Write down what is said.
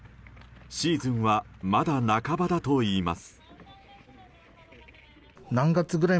シーズンはまだ半ばだといいます。